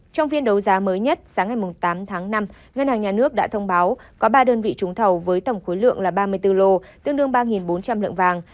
trong phiên đấu giá mới nhất sáng ngày tám tháng năm ngân hàng nhà nước đã thông báo có ba đơn vị trúng thầu với tổng khối lượng là ba mươi bốn lô tương đương ba bốn trăm linh lượng vàng